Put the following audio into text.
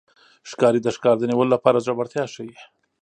ښکاري د ښکار د نیولو لپاره زړورتیا ښيي.